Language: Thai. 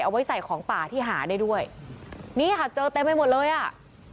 เอาไว้ใส่ของป่าที่หาได้ด้วยนี่ค่ะเจอเต็มไปหมดเลยอ่ะ